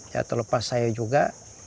ya terlepas saya juga